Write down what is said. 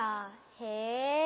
へえ。